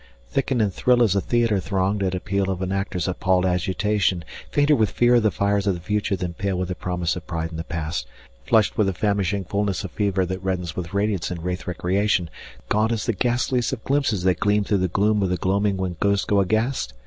Thicken and thrill as a theatre thronged at appeal of an actor's appalled agitation, Fainter with fear of the fires of the future than pale with the promise of pride in the past; Flushed with the famishing fullness of fever that reddens with radiance and rathe* recreation, [speedy] Gaunt as the ghastliest of glimpses that gleam through the gloom of the gloaming when ghosts go aghast?